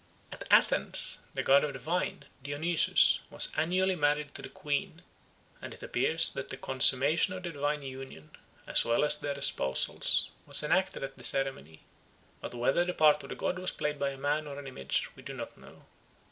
At Athens the god of the vine, Dionysus, was annually married to the Queen, and it appears that the consummation of the divine union, as well as the espousals, was enacted at the ceremony; but whether the part of the god was played by a man or an image we do not know.